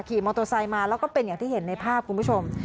ขี่มอเตอร์ไซค์มาแล้วก็เป็นอย่างที่เห็นในภาพคุณผู้ชม